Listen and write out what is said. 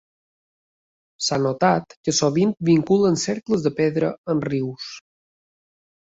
S'ha notat que sovint vinculen cercles de pedra amb rius.